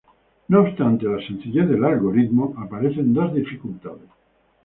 No obstante la sencillez del algoritmo, aparecen dos dificultades.